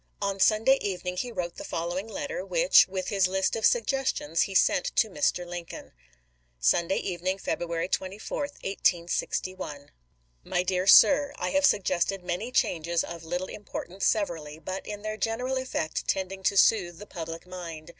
On Sunday evening he wrote the following letter, which, with his list of suggestions, he sent to Mr. Lincoln : Sunday Evening, February 24, 1861. My Dear Sir : I have suggested many changes of little importance severally, but in their general effect tending to soothe the public mind.